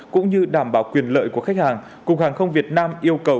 cũng như đảm bảo quyền lợi của khách hàng cục hàng không việt nam yêu cầu